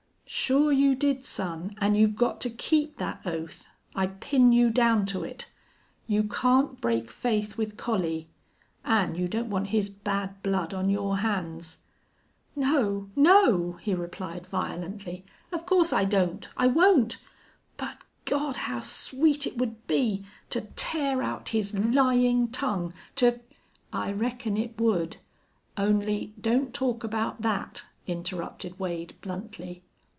"Sure you did, son. An' you've got to keep that oath. I pin you down to it. You can't break faith with Collie.... An' you don't want his bad blood on your hands." "No! No!" he replied, violently. "Of course I don't. I won't. But God! how sweet it would be to tear out his lying tongue to " "I reckon it would. Only don't talk about that," interrupted Wade, bluntly.